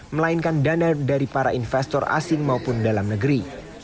melainkan dana dari para investor asing maupun dalam negeri